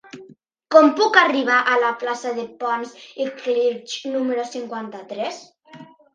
Com puc arribar a la plaça de Pons i Clerch número cinquanta-tres?